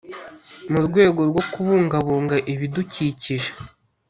mu rwego rwo kubungabuga ibidukikije